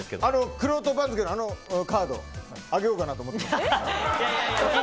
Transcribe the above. くろうと番付のあのカードあげようかなと思ってます。